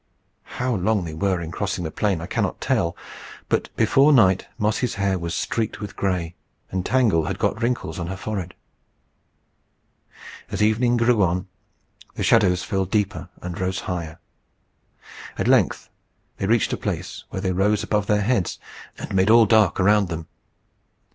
How long they were in crossing this plain I cannot tell; but before night Mossy's hair was streaked with gray, and Tangle had got wrinkles on her forehead. As evening grew on, the shadows fell deeper and rose higher. At length they reached a place where they rose above their heads, and made all dark around them.